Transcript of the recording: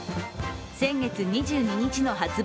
先月２２日の発売